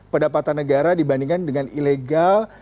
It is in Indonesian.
pendapatan negara dibandingkan dengan ilegal